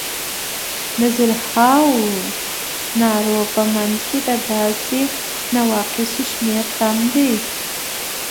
د زرهاوو نارو په منځ کې د داسې نواقصو شمېر کم دی.